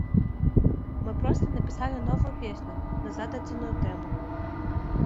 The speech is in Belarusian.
Мы проста напісалі новую песню на зададзеную тэму.